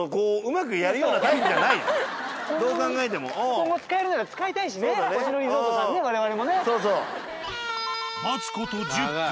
今後使えるなら使いたいしね星野リゾートさんね我々もね。そうそう。待つ事１０分。